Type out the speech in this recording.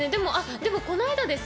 でも、この間です。